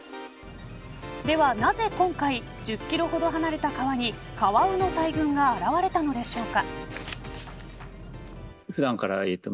ではなぜ今回１０キロほど離れた川にカワウの大群が現れたのでしょうか。